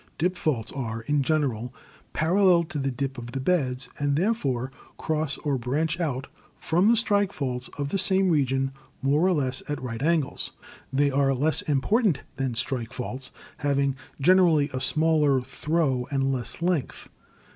Dip faults are, in general, parallel to the dip of the beds, and therefore cross or branch out from the strike faults of the same region, more or less at right angles; they are less im portant than strike faults, having generally a smaller throw and less length.